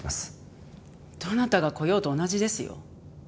どなたが来ようと同じですよ。